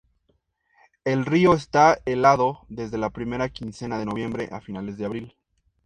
El río está helado desde la primera quincena de noviembre a finales de abril.